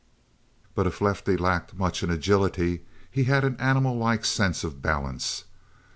But if Lefty lacked much in agility, he had an animallike sense of balance.